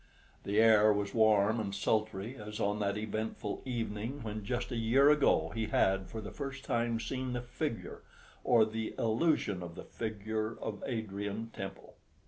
The air was warm and sultry, as on that eventful evening when just a year ago he had for the first time seen the figure or the illusion of the figure of Adrian Temple.